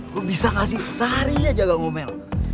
gue bisa kasih seharinya jaga ngomel